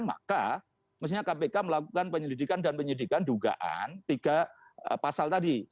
maka mestinya kpk melakukan penyelidikan dan penyidikan dugaan tiga pasal tadi